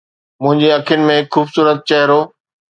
منهنجي اکين ۾ هڪ خوبصورت چهرو